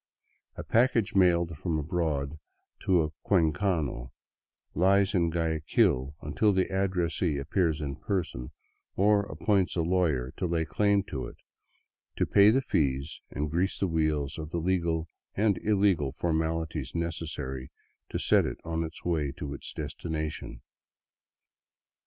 A package mailed from abroad to a cuencano lies in Guayaquil until the addressee appears in person, or appoints a lawyer, to lay claim to it, to pay the fees and grease the wheels of the legal and illegal formalities necessary to set it on its way to its destination.